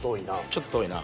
ちょっと遠いな。